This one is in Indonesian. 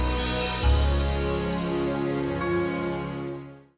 m kelihatan lain